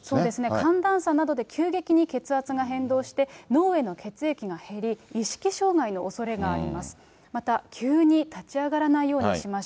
寒暖差などで急激に血圧が変動して、脳への血液が減り、意識障害のおそれがあります。